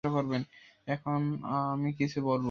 এখন আমি কিছু বলবো।